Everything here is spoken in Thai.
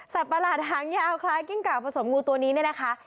ประหลาดหางยาวคล้ายกิ้งเก่าผสมงูตัวนี้เนี่ยนะคะ